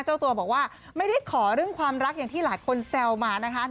เจ้าตัวบอกว่าไม่ได้ขอเรื่องความรักอย่างที่หลายคนแซวมานะคะ